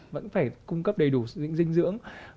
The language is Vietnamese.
vẫn phải cung cấp đầy đủ dinh dưỡng